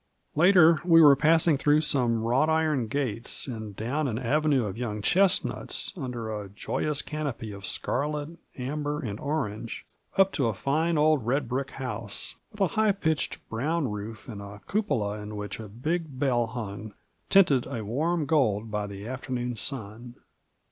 Later we were passing through some wrought iron gates, and down an avenue of young chestnuts, under a joyous canopy of scarlet, amber, and orange, up to a fine old red brick house, with a high pitched, brown roof, and a cupola in which a big bell hung, tinted a warm gold by the afternoon sun.